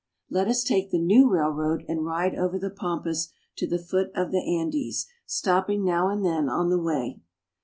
Let us take the new railroad and ride over the pampas to the foot of the Andes, stopping now and then on the way.